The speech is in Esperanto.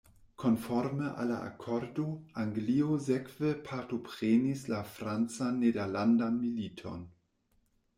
Konforme al la akordo, Anglio sekve partoprenis la Francan-Nederlandan militon.